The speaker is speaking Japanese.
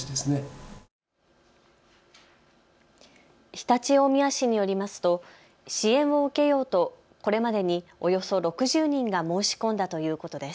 常陸大宮市によりますと支援を受けようとこれまでにおよそ６０人が申し込んだということです。